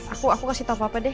aku aku kasih tau papa deh